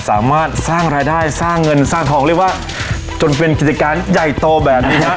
สามารถสร้างรายได้สร้างเงินสร้างทองเรียกว่าจนเป็นกิจการใหญ่โตแบบนี้ฮะ